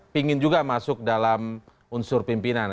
pingin juga masuk dalam unsur pimpinan